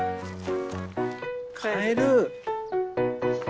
カエル。